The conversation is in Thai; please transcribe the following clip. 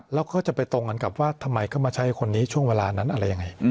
แล้วก็จะไปตรงกันกับว่าทำไมเขามาใช้คนนี้ช่วงเวลานั้นอะไรยังไง